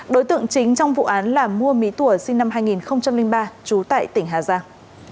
đối tượng chính trong vụ án là mua mỹ tùa sinh năm hai nghìn ba trú tại tỉnh hà giang